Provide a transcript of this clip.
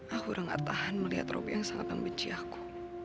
aku tidak tahan melihat robi yang sangat membenci aku